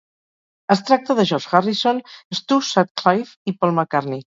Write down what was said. Es tracta de George Harrison, Stu Sutcliffe i Paul McCartney.